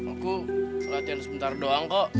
aku latihan sebentar doang kok